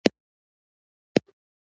د یوه کیسه لیکوال په توګه ځان منلی و.